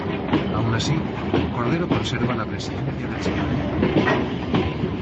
Aun así, Cordero conserva la Presidencia del Senado.